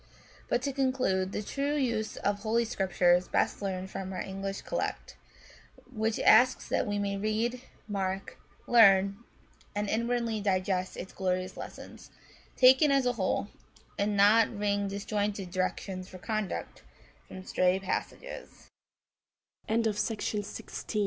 266 Sortes Sacrae But, to conclude, the true use of Holy Scripture is best learned from our English Collect, which asks that we may read, mark, learn, and inwardly digest its glorious lessons, taken as a whole, and not wring disjointed directions for conduct from s